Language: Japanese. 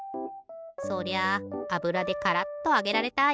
そりゃあぶらでカラッとあげられたい！